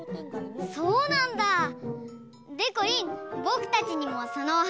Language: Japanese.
そうなんだ！でこりんぼくたちにもそのおはなしきかせて！